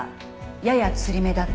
「やや吊り目だった」